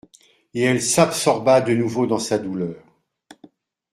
Et elle s'absorba de nouveau dans sa douleur.